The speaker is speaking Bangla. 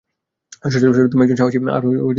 শজারু, তুমি একজন সাহসী আর মহৎ যোদ্ধা।